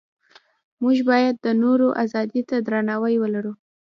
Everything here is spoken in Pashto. موږ باید د نورو ازادۍ ته درناوی ولرو.